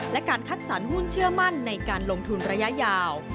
และการคัดสรรหุ้นเชื่อมั่นในการลงทุนระยะยาว